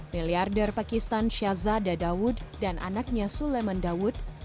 miliarder pakistan shazza dadawood